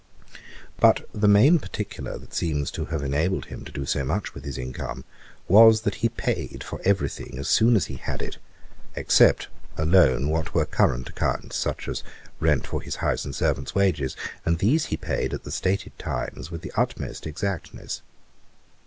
'But the main particular that seems to have enabled him to do so much with his income, was, that he paid for every thing as soon as he had it, except, alone, what were current accounts, such as rent for his house and servants' wages; and these he paid at the stated times with the utmost exactness.